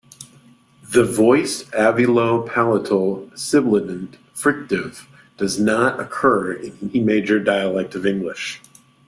The voiced alveolo-palatal sibilant fricative does not occur in any major dialect of English.